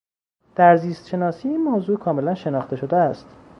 در زیست شناسی این موضوع کاملا شناخته شده است.